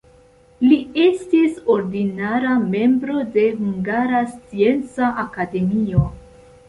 Li estis ordinara membro de Hungara Scienca Akademio.